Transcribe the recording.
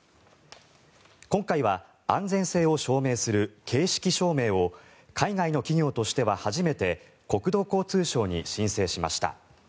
今回は安全性を証明する形式証明を海外の企業としては初めて国土交通省に申請しました。